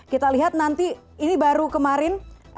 kita lihat nanti ini baru kemarin